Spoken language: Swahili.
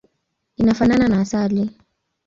Inafanana na asali.